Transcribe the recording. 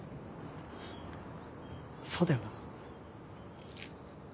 そうだよな。